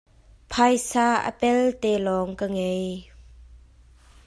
Phaisa apelte lawng ka ngei.